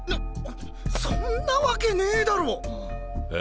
そんなわけねぇだろ！え？